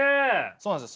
そうなんです。